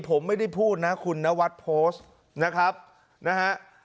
ผมไม่ได้พูดนะคุณนวัดโพสต์นะครับนะฮะ